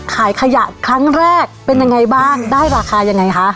ขายขยะครั้งแรกเป็นยังไงบ้างได้ราคายังไงคะ